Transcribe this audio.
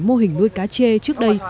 mô hình nuôi cá chê trước đây